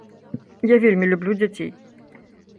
Я вельмі люблю дзяцей.